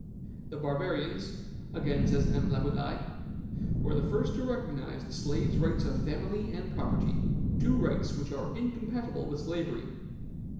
"The Barbarians," again says M. Laboulaye, "were the first to recognize the slave's rights of family and property, two rights which are incompatible with slavery."